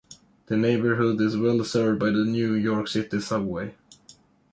The neighborhood is well-served by the New York City Subway.